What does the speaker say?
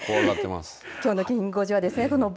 きょうのきん５時はですね